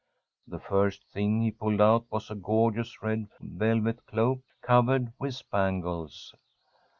The first thing he pulled out was a gorgeous red velvet cloak covered with spangles.